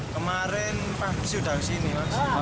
kemarin sudah disini mas